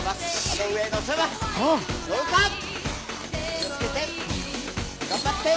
気を付けて。頑張って。